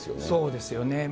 そうですよね。